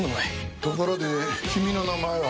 ところで君の名前は？